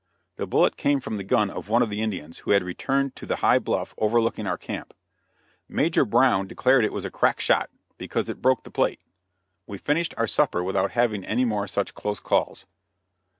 The bullet came from the gun of one of the Indians, who had returned to the high bluff over looking our camp. Major Brown declared it was a crack shot, because it broke the plate. We finished our supper without having any more such close calls.